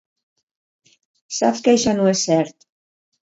Saps que això no és cert.